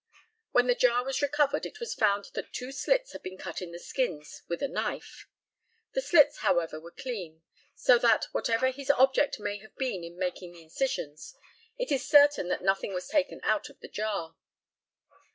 When the jar was recovered it was found that two slits had been cut in the skins with a knife. The slits, however, were clean, so that, whatever his object may have been in making the incisions, it is certain that nothing was taken out of the jar.